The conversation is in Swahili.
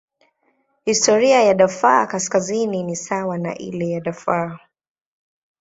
Historia ya Darfur Kaskazini ni sawa na ile ya Darfur.